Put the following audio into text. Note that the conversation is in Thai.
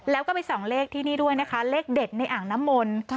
แล้วก็ไปส่องเลขที่นี่ด้วยนะคะเลขเด็ดในอ่างน้ำมนต์